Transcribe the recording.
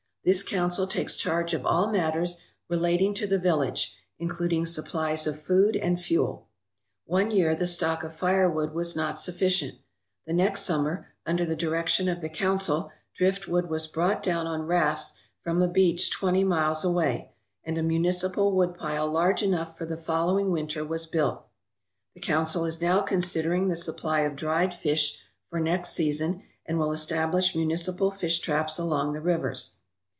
This council takes charge of all matters relating to the village, including supplies of food and fuel. One year the stock of firewood was not sufficient; the next summer, under the direction of the council, driftwood was brought down on rafts from a beach twenty miles away, and a municipal woodpile large enough for the following winter was built. The council is now considering the supply of dried fish for next season and will establish municipal fish traps along the rivers.